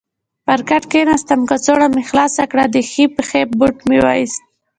پر کټ کېناستم، کڅوړه مې خلاصه کړل، د ښۍ پښې بوټ مې وایست.